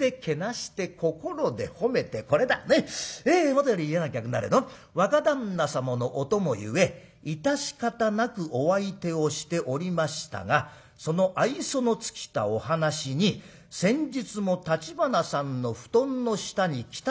『もとより嫌な客なれど若旦那様のお供ゆえ致し方なくお相手をしておりましたがその愛想の尽きたお話に先日も橘さんの布団の下に汚き越中を置き忘れ』。